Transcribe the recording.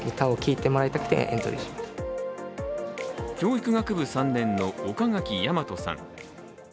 教育学部３年の岡垣和さん。